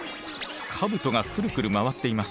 兜がくるくる回っています。